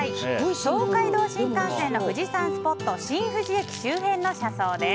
東海道新幹線の富士山スポット新富士駅周辺の車窓です。